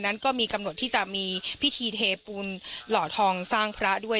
นั้นก็มีกำหนดที่จะมีพิธีเทปูนหล่อทองสร้างพระด้วย